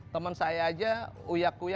temen saya aja uyakuya